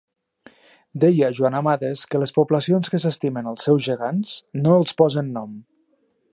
Deia Joan Amades que les poblacions que s'estimen els seus gegants no els posen nom.